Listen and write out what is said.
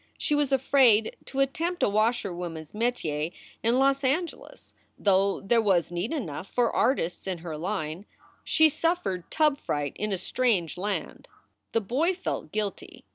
She was afraid to attempt a washerwoman s metier in Los Angeles, though there was need enough for artists in her line. She suffered tub fright in a strange land. The boy felt guilty.